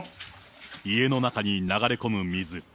家の中に流れ込む水。